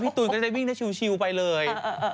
ตูนก็จะวิ่งได้ชิวไปเลย